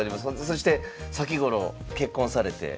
そして先頃結婚されて。